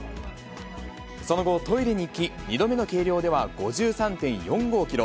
その後、トイレに行き、２度目の計量では５３．４５キロ。